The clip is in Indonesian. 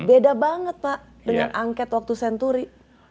beda banget pak dengan angket waktu senturi